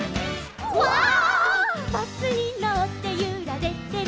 「バスにのってゆられてる」